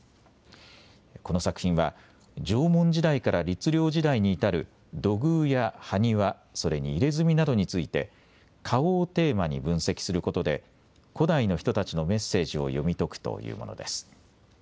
この作品は縄文時代から律令時代に至る土偶や埴輪、それに入れ墨などについて顔をテーマに分析することで古代の人たちのメッセージを読み解くというものです。